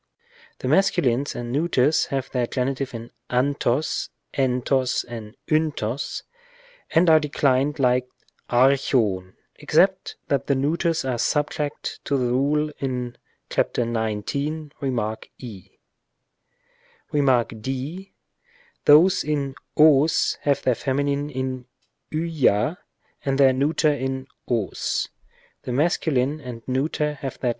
The masculines and neu ters have their G. in avros, evros and vros and are declined like ἄρχων (§ 29), except that the neuters are subject to the rule in ὃ 19, Rem. e. Rem. d. Those in ws have their feminine in va and their neuter in os. The masculine and neuter have their G.